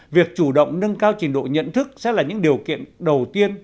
việc chủ động nâng cao trình độ nhận thức sẽ là những điều kiện đầu tiên